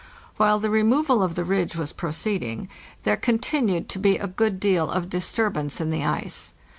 While the removal of the ridge was proceeding there con II.—39 610 APPENDIX tinued to be a good deal of disturbance in the ice.